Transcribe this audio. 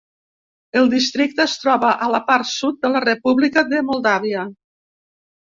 El districte es troba a la part sud de la República de Moldàvia.